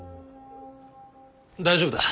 大丈夫だ。